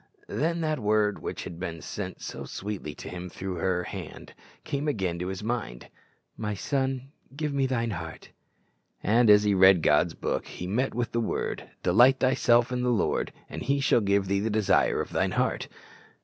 Then that word which had been sent so sweetly to him through her hand came again to his mind, "My son, give me thine heart;" and as he read God's Book, he met with the word, "Delight thyself in the Lord, and he shall give thee the desire of thine heart."